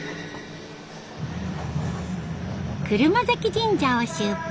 車折神社を出発！